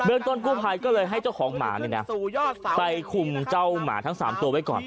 ต้นกู้ภัยก็เลยให้เจ้าของหมาเนี่ยนะไปคุมเจ้าหมาทั้ง๓ตัวไว้ก่อน